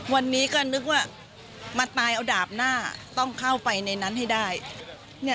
วันนี้ก็นึกว่ามาตายเอาดาบหน้าต้องเข้าไปในนั้นให้ได้